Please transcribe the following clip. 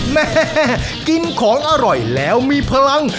แม่กินของอร่อยแล้วมีพลัง